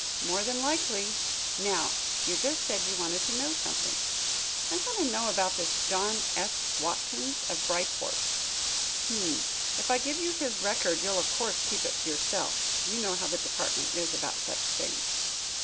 "More than likely. Now, you just said you wanted to know something." "I want to know about this John S. Watkins, of Bryport." "Um! If I give you his record, you'll of course keep it to yourself. You know how the department is about such things?"